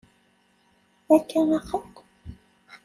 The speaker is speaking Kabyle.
Akka axir?